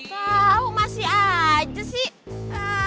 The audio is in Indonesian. tau masih aja sih